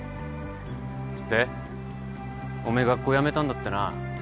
でおめえ学校やめたんだってな。